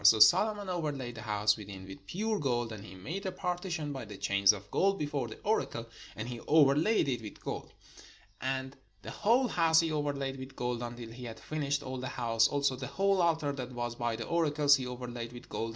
So Solomon overlaid the house within with pure gold: and he made a partition by the chains of gold before the oracle; and he overlaid it with gold. And the 565 PALESTINE whole house he overlaid with gold, until he had finished all the house : also the whole altar that was by the oracle he overlaid with gold.